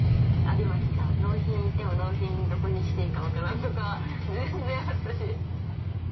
納品行っても納品どこにしていいか分からんとか全然あったし。